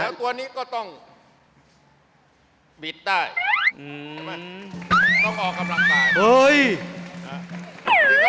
แล้วตัวนี้ก็ต้องบิดได้อืมใช่ไหมต้องออกกำลังตายเฮ้ย